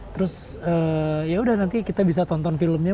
terus ya udah nanti kita bisa tonton filmnya